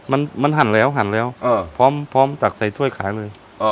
มันมันหั่นแล้วหั่นแล้วพร้อมพร้อมตักใส่ถ้วยขายเลย